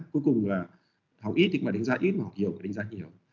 cuối cùng là học ít thì cũng phải đánh giá ít mà học nhiều thì đánh giá nhiều